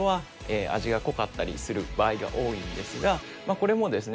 これもですね